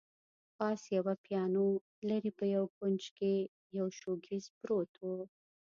پاس یوه پیانو، لیري په یوه کونج کي یو شوکېز پروت وو.